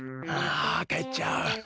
あかえっちゃう。